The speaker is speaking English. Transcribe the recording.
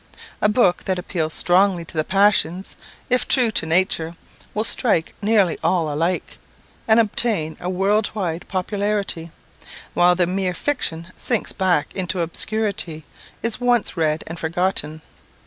A book that appeals strongly to the passions, if true to nature, will strike nearly all alike, and obtain a world wide popularity, while the mere fiction sinks back into obscurity is once read and forgotten.